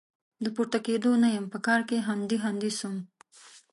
د پورته کېدو نه يم؛ په کار کې هنډي هنډي سوم.